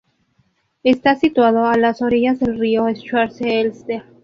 Está situado a las orillas del río Schwarze Elster.